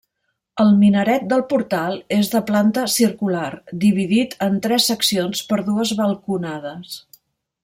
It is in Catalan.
El minaret del portal és de planta circular, dividit en tres seccions per dues balconades.